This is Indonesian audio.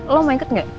lo mau ikut gak